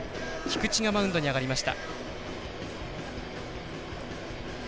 菊地がマウンドに上がりました。